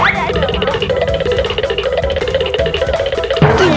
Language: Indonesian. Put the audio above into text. aduh aduh aduh